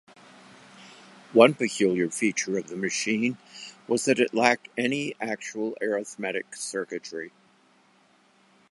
One peculiar feature of the machine was that it lacked any actual arithmetic circuitry.